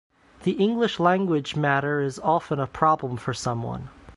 The English language matter is often a problem for someone